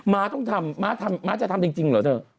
มากต้องทำมากจะทำจริงเหรอเธอ